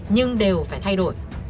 nhưng đều phải thay đổi